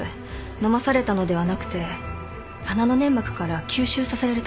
飲まされたのではなくて鼻の粘膜から吸収させられたんです。